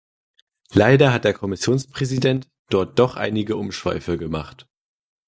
Leider hat der Kommissionspräsident dort doch einige Umschweife gemacht.